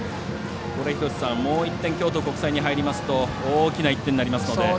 もう１点京都国際に入りますと大きな１点になりますので。